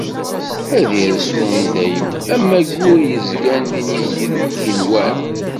Ad irsu i dayem am wayyur yezgan d inigi deg yigenwan.